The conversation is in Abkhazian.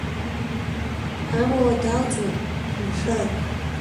Амала далҵуеит, шәмышәан!